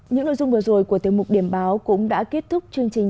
những nội dung vừa rồi của tiêu mục điểm báo cũng đã kết thúc chương trình